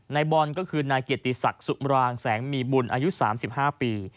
นายบอลก็คือนายเกียรติศักดิ์สุมรางแสงมีบุญอายุ๓๕ปี